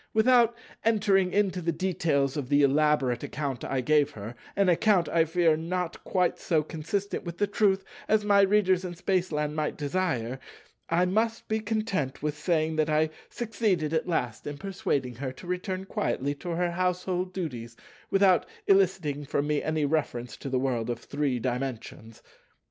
Without entering into the details of the elaborate account I gave her,—an account, I fear, not quite so consistent with truth as my Readers in Spaceland might desire,—I must be content with saying that I succeeded at last in persuading her to return quietly to her household duties without eliciting from me any reference to the World of Three Dimensions.